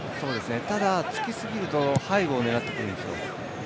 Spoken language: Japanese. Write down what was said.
ただ、つきすぎると背後を狙ってくるんですよ。